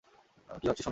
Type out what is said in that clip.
আমি কী ভাবছি শোনো।